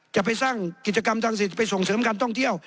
จะไปสร้างกิจกรรมทางสิทธิ์ไปส่งเสริมการท่องเที่ยว